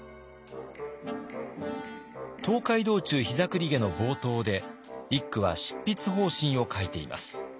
「東海道中膝栗毛」の冒頭で一九は執筆方針を書いています。